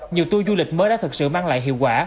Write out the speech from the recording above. nhiều tour du lịch mới đã thực sự mang lại hiệu quả